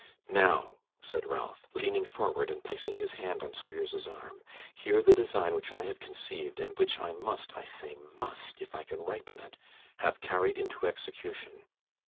'Now,' said Ralph, leaning forward, and placing his hand on Squeers's arm, 'hear the design which I have conceived, and which I must I say, must, if I can ripen it have carried into execution.